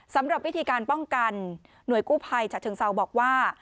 สำหรับวิธีการป้องกันหน่วยกู้ภัยฉะเชิงเซาบอกว่า